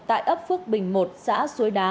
tại ấp phước bình một xã suối đá